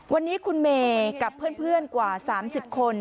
วันนี้คุณเมย์กับเพื่อนกว่า๓๐คน